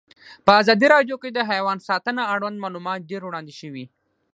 په ازادي راډیو کې د حیوان ساتنه اړوند معلومات ډېر وړاندې شوي.